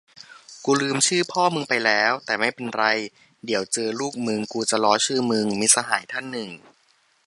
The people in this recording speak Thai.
กูลืมชื่อพ่อมึงไปแล้ว แต่ไม่เป็นไร เดี๋ยวเจอลูกมึงกูจะล้อชื่อมึง มิตรสหายท่านหนึ่ง